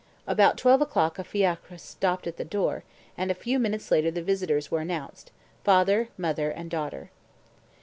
About twelve o'clock a fiacre stopped at the door, and a few minutes later the visitors were announced father, mother, and daughter.